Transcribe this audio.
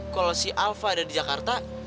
kalau si alpha ada di jakarta